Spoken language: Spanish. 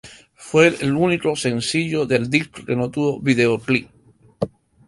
Fue el único sencillo del disco que no tuvo videoclip.